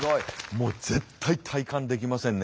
もう絶対退官できませんね